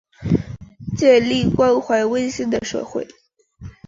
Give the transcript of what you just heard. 建立关怀温馨的社会